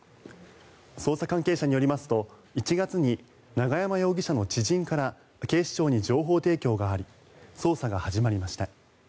捜査関係者によりますと１月に永山容疑者の知人から警視庁に情報提供があり捜査が始まりました。